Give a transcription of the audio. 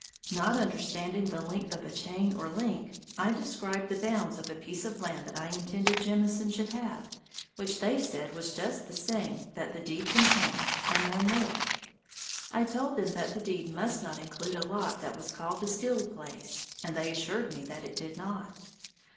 Not understanding the length of a chain or link, I described the bounds of a piece of land that I intended Jemison should have, which they said was just the same that the deed contained and no more. I told them that the deed must not include a lot that was called the Steele place, and they assured me that it did not.